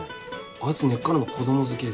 あいつ根っからの子供好きです。